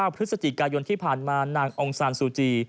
พฤศจิกายนที่ผ่านมานางองซานซูจี